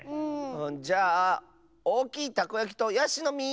じゃあおおきいたこやきとやしのみ！